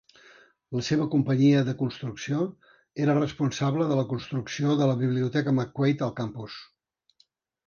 La seva companyia de construcció era responsable de la construcció de la Biblioteca McQuaid al campus.